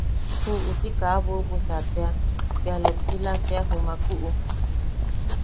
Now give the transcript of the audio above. Ju uusi kaa bubusa tea, bea lottila tea jumakuʼu.